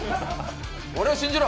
俺を信じろ。